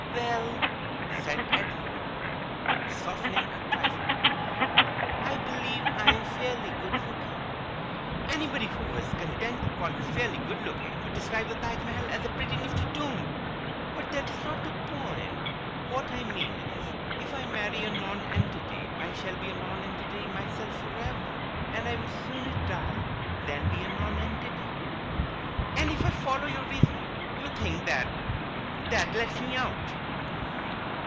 "Well," said Adeline, softening a trifle, "I believe I am fairly good looking " "Anybody who was content to call you fairly good looking would describe the Taj Mahal as a pretty nifty tomb." "But that is not the point. What I mean is, if I marry a nonentity I shall be a nonentity myself for ever. And I would sooner die than be a nonentity." "And, if I follow your reasoning, you think that that lets me out?"